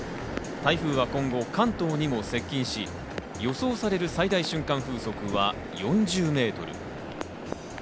台風は今後、関東にも接近し、予想される最大瞬間風速は４０メートル。